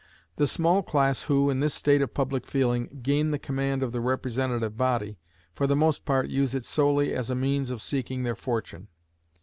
The small class who, in this state of public feeling, gain the command of the representative body, for the most part use it solely as a means of seeking their fortune.